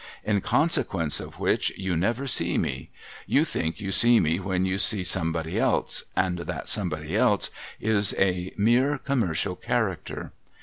In consequence of which you never see me ; you think you see me when you see somebody else, and that some body else is a mere Commercial character.